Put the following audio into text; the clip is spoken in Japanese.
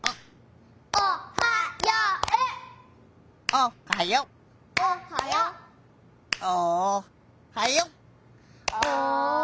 おはよう！